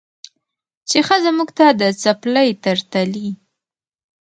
چې ښځه موږ ته د څپلۍ تر تلي